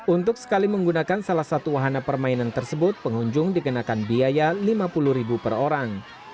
untuk sekali menggunakan salah satu wahana permainan tersebut pengunjung dikenakan biaya rp lima puluh per orang